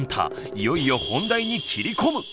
いよいよ本題に切り込む。